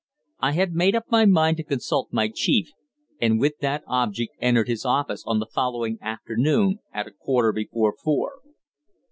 I had made up my mind to consult my chief, and with that object entered his room on the following afternoon at a quarter before four.